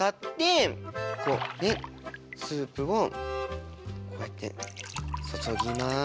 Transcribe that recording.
こうんスープをこうやって注ぎます。